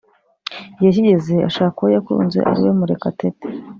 igihe kigeze ashaka uwo yakunze ariwe Murekatete